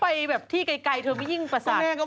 ไปแบบที่ไกลเธอไม่ยิ่งประสาท